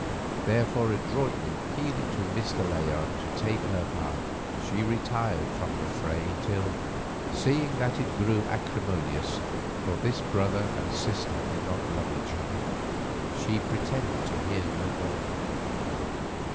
Therefore, adroitly appealing to Mr. Layard to take her part, she retired from the fray till, seeing that it grew acrimonious, for this brother and sister did not love each other, she pretended to hear no more.